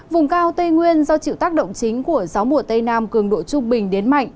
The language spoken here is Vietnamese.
vùng cao tây nguyên do chịu tác động chính của gió mùa tây nam cường độ trung bình đến mạnh